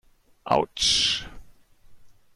Autsch!